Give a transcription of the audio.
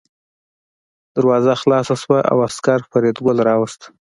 دروازه خلاصه شوه او عسکر فریدګل راوست